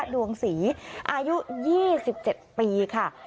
ดวงศรีอายุ๒๗ปีค่ะ